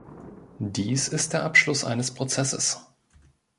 Dies ist der Abschluss eines Prozesses.